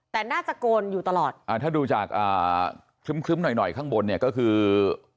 แต่น่าจะโกนอยู่ตลอดถ้าดูจากครึ้มหน่อยข้างบนเนี่ยก็คือ